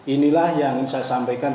inilah yang ingin saya sampaikan